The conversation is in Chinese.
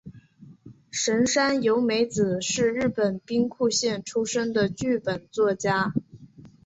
神山由美子是日本兵库县出身的剧本作家。